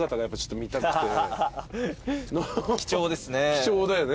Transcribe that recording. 貴重ですね。